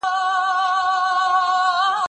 باران په ډېر شدت سره ورېده.